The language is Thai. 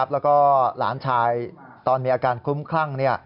แล้วก็หลานชายตอนมีอาการคลุ้มคลั่ง